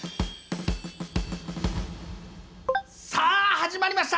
さあ始まりました。